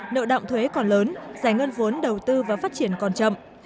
nợ động thuế còn lớn giải ngân vốn đầu tư và phát triển còn chậm